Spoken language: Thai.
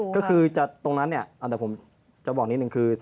ก็คือจะตรงนั้นเนี่ยแต่ผมจะบอกนิดนึงคือ